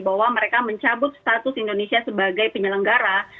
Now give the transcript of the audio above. bahwa mereka mencabut status indonesia sebagai penyelenggara